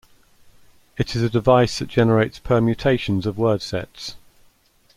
It is a device that generates permutations of word sets.